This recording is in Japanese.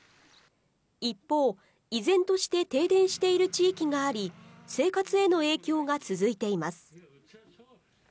一方、依然として停電している地域があり、生活への影響が続いています。